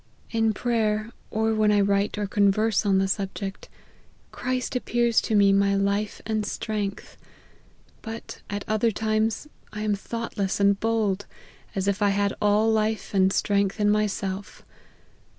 In prayer, or when I write or con 176 LIFE OF HEXRY MARTTN. verse on the subject, Christ appears to me my life and strength ; but at other times, I am thoughtless and bold, as if I had all life and strength in myself.